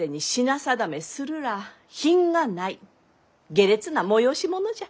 下劣な催し物じゃ。